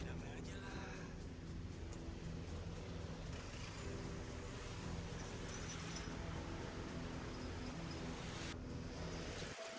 gak mudah aja lah